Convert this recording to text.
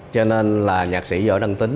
cho nên là nhạc sĩ võ đăng tín